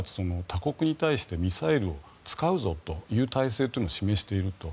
他国に対してミサイルを使うぞという態勢を示していると。